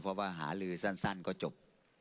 เพราะว่าหาลือสั้นก็จบ